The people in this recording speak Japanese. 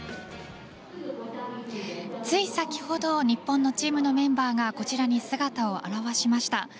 つい先ほど日本のチームのメンバーがこちらに姿を現しました。